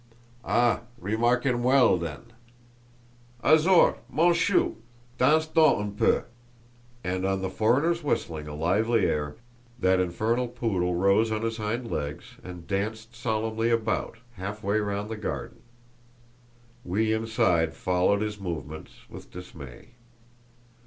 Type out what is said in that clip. "Ah, remark him well, then. Azor, mon chou, danse donc un peu!" And, on the foreigner's whistling a lively air, that infernal poodle rose on his hind legs and danced solemnly about half way round the garden! We inside followed his movements with dismay.